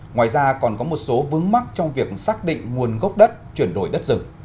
ngoài ra còn có một số vướng mắc trong việc xác định nguồn gốc đất chuyển đổi đất rừng